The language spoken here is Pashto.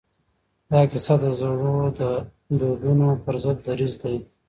دا کیسه د زړو دودونو پر ضد دریځ دی.